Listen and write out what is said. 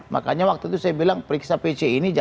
makanya waktu itu saya bilang periksa pc ini